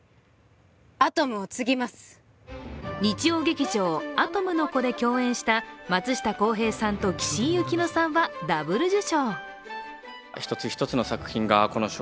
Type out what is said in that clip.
日曜劇場「アトムの童」で共演した松下洸平さんと岸井ゆきのさんはダブル受賞。